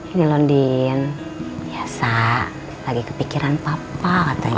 ini londin biasa lagi kepikiran papa katanya